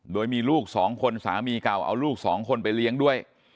โดยมีลูก๒คนสามีเก่าเอาลูกสองคนไปเลี้ยงด้วย